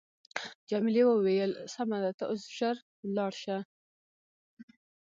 جميلې وويل: سمه ده ته اوس ژر ولاړ شه.